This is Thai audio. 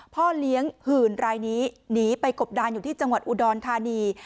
พ่อเลี้ยงหื่นรายนี้หนีไปกบดานอยู่ที่จังหวัดอุดรธานี